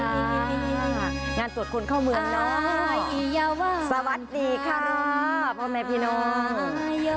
งานตรวจคนเข้าเมืองน้อยสวัสดีค่ะพ่อแม่พี่น้อง